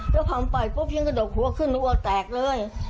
แล้วพังไปปุ๊บยังกระดกหัวขึ้นหัวแตกเลย